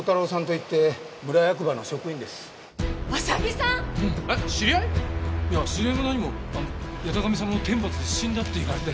いや知り合いも何も八咫神様の天罰で死んだって言われて。